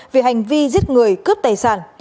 về hành vi giết người cướp tài sản